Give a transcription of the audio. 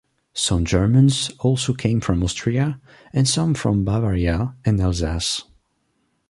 Some Germans also came from Austria, and some from Bavaria and Alsace.